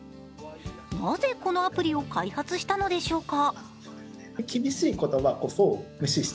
なぜ、このアプリを開発したのでしょうか。